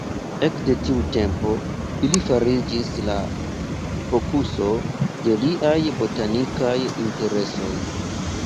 Ekde tiu tempo ili fariĝis la fokuso de liaj botanikaj interesoj.